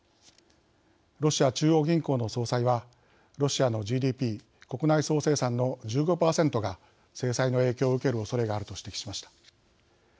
ロシア中央銀行の総裁はロシアのＧＤＰ＝国内総生産の１５％が制裁の影響を受けるおそれがあると指摘しました。